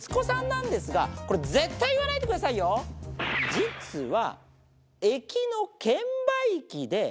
実は。